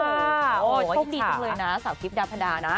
โอ้โฮดีจริงเลยนะสาวคลิปดาพรรดานะ